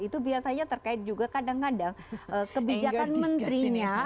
itu biasanya terkait juga kadang kadang kebijakan menterinya